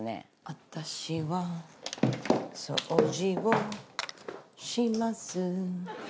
私は掃除をします